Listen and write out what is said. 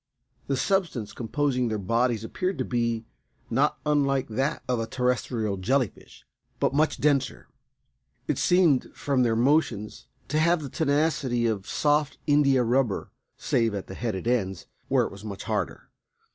The substance composing their bodies appeared to be not unlike that of a terrestrial jelly fish, but much denser. It seemed from their motions to have the tenacity of soft indiarubber save at the headed ends, where it was much harder.